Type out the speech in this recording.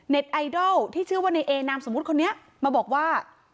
ไอดอลที่ชื่อว่าในเอนามสมมุติคนนี้มาบอกว่า